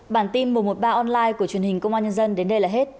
bản tin một trăm một mươi ba online của truyền hình công an nhân dân đến đây là hết